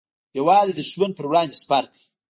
یووالی د دښمن پر وړاندې سپر دی.